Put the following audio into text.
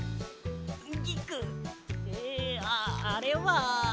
ああれは。